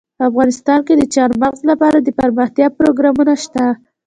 افغانستان کې د چار مغز لپاره دپرمختیا پروګرامونه شته.